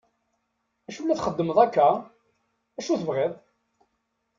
Acu la txeddmeḍ akka? acu tebɣiḍ ?